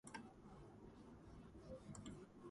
ოთხჯერ იყო ნომინირებული ოსკარზე და ერთხელ გაიმარჯვა.